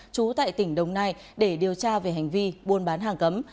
trú tại tỉnh đồng nai để điều tra về hành vi buôn bán hàng cấm